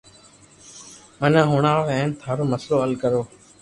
مني ھڻاو ھن ٿارو مسلو حل ڪرو